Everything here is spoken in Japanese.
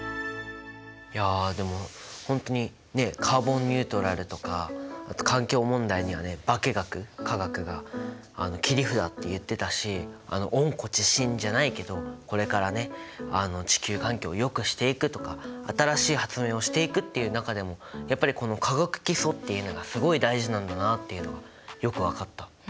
いやでも本当にねカーボンニュートラルとか環境問題にはね化学化学が切り札って言ってたし温故知新じゃないけどこれからね地球環境をよくしていくとか新しい発明をしていくっていう中でもやっぱりこの「化学基礎」っていうのがすごい大事なんだなあっていうのがよく分かった。